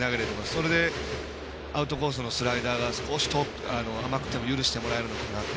それでアウトコースのスライダーが少し甘くても許してもらえるのかなと。